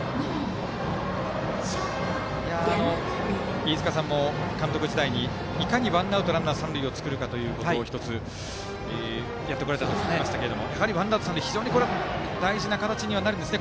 飯塚さんも監督時代にいかにワンアウト三塁を作るかということをやってこられたといいますがやはりワンアウト三塁は非常に大事な形になるんですね。